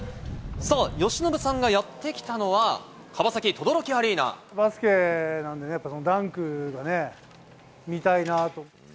由伸さんがやって来たのは、バスケなんでね、ダンクがね、見たいなと。